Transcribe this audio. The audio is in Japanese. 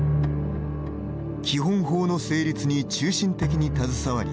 基本法の成立に中心的に携わり